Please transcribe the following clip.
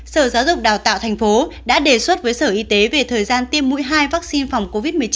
sở giáo dục đào tạo thành phố đã đề xuất với sở y tế về thời gian tiêm mũi hai vaccine phòng covid một mươi chín